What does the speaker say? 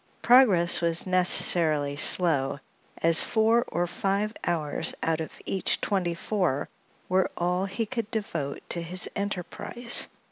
Progress was necessarily slow, as four or five hours out of each twenty four were all he could devote to his enterprise.